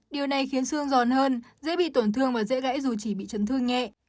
điều này khiến xương giòn hơn dễ bị tổn thương và dễ gãy dù chỉ bị chấn thương nhẹ